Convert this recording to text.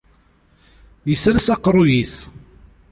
Yesres aqerruy-is.